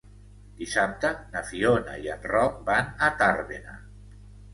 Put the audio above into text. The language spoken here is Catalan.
Dissabte na Fiona i en Roc van a Tàrbena.